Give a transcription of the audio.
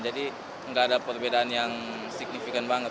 jadi gak ada perbedaan yang signifikan banget